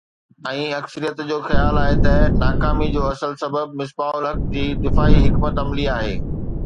۽ اڪثريت جو خيال آهي ته ناڪامي جو اصل سبب مصباح الحق جي دفاعي حڪمت عملي آهي.